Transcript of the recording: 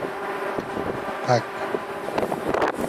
پئگ